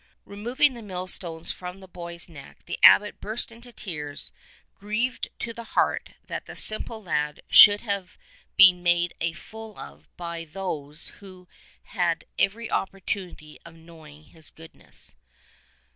Removing the mill stones from the boy's neck, the Abbot burst into tears, grieved to the heart that the simple lad should have been made a fool of by those who had every opportunity of knowing his goodness.